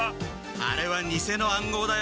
あれはにせの暗号だよ。